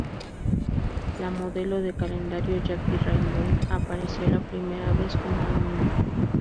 La modelo de calendario Jackie Rainbow apareció la primera vez como anónima.